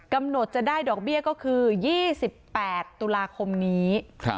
กำหนดจะได้ดอกเบี้ยก็คือ๒๘ตุลาคมนี้